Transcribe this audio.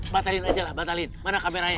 batalin aja lah batalin mana kamera ayo